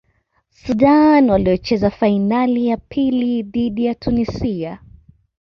sudan waliocheza fainali ya pili dhidi ya tunisia